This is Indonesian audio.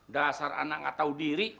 dasar anak nggak tahu diri